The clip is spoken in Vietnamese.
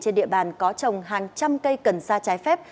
trên địa bàn có trồng hàng trăm cây cần sa trái phép